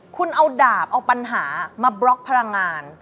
คุณเอาดาบเอาปัญหามาบล็อกพลังงาน